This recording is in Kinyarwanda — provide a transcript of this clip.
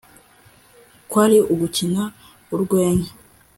kwari ugukina urwenya